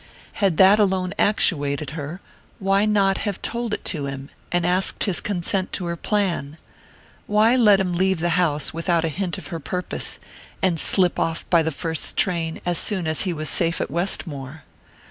Had that alone actuated her, why not have told it to him, and asked his consent to her plan? Why let him leave the house without a hint of her purpose, and slip off by the first train as soon as he was safe at Westmore?